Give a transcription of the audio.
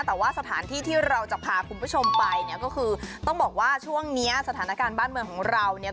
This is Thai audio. แต่ว่าสถานที่ที่เราจะพาคุณผู้ชมไปเนี่ยก็คือต้องบอกว่าช่วงเนี้ยสถานการณ์บ้านเมืองของเราเนี่ย